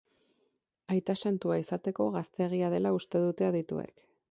Aita santua izateko gazteegia dela uste dute adituek.